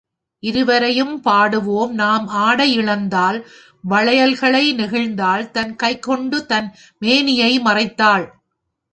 இருவரையும் பாடுவோம் நாம் ஆடையிழந்தாள் வளையல்களை நெகிழ்த்தாள் தன் கைக்கொண்டு தன் மேனியை மறைத்தாள்.